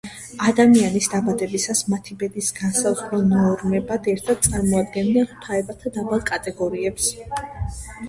ადამიანის დაბადებისას მათი ბედის განმსაზღვრელ ნორმებთან ერთად წარმოადგენდნენ ღვთაებათა დაბალ კატეგორიებს.